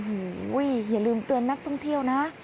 โอ้โหอย่าลืมเตือนนักท่องเที่ยวนะ